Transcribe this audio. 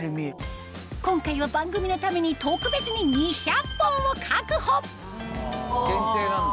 今回は番組のために特別に２００本を確保限定なんだ。